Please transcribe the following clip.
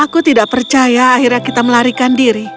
aku tidak percaya akhirnya kita melarikan diri